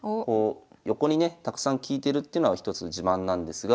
横にねたくさん利いてるっていうのは一つの自慢なんですが。